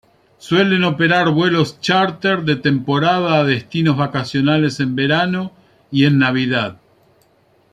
Suelen operar vuelos chárter de temporada a destinos vacacionales en verano y en Navidad.